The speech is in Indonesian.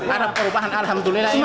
ada perubahan alhamdulillah